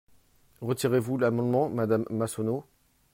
Retirez-vous l’amendement, madame Massonneau?